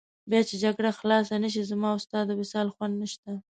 بیا چې جګړه خلاصه نه شي، زما او ستا د وصال خوند نشته.